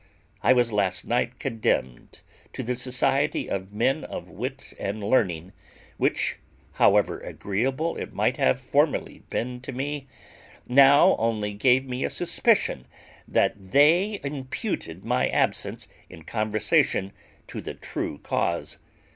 I was last night condemned to the society of men of wit and learning, which, however agreeable it might have formerly been to me, now only gave me a suspicion that they imputed my absence in conversation to the true cause.